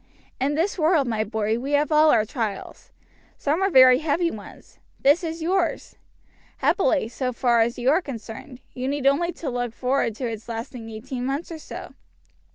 In this world, my boy, we have all our trials. Some are very heavy ones. This is yours. Happily, so far as you are concerned, you need only look forward to its lasting eighteen months or so.